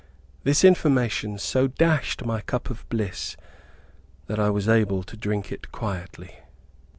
This information so dashed my cup of bliss that I was able to drink it quietly.